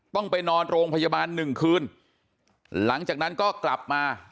ต้องไปนอนโรงพยาบาลหนึ่งคืนหลังจากนั้นก็กลับมา